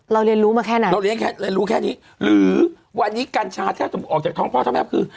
เราเรียนรู้มาแค่นั้นเราเรียนรู้แค่นี้หรือวันนี้กัญชาแค่ออกจากท้องพ่อทั้งแมพคือ